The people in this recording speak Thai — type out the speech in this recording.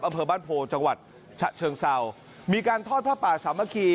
อำเภอบ้านโพจังหวัดฉะเชิงเศร้ามีการทอดผ้าป่าสามัคคี